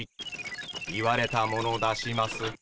言われたもの出します。